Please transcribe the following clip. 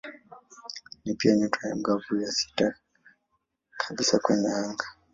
Ni pia nyota angavu ya sita kabisa kwenye anga.